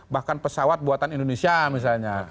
bahkan pesawat buatan indonesia misalnya